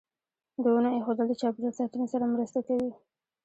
د ونو ایښودل د چاپیریال ساتنې سره مرسته کوي.